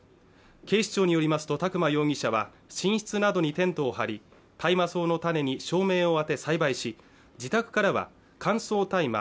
警視庁によりますと宅間容疑者は寝室などにテントを張り大麻草の種に照明を当て栽培し自宅からは乾燥大麻